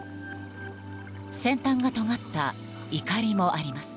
先端がとがったいかりもあります。